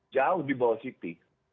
jauh di bawah city